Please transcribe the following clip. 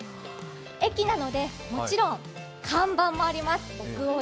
駅なので、もちろん看板もあります